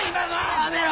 やめろ！